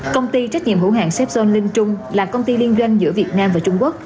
công ty trách nhiệm hữu hạng sapson linh trung là công ty liên doanh giữa việt nam và trung quốc